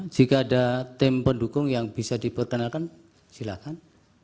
jika ada tim pendukung yang bisa diperkenalkan silakan